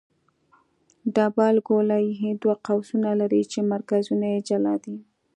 ډبل ګولایي دوه قوسونه لري چې مرکزونه یې جلا دي